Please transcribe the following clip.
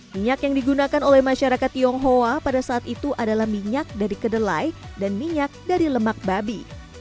minyak yang digunakan oleh masyarakat tionghoa pada saat itu adalah minyak dari kedelai dan minyak dari lemak babi